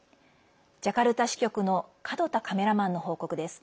ジャカルタ支局の門田カメラマンの報告です。